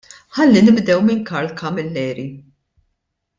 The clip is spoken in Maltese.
Ħalli nibdew minn Karl Camilleri.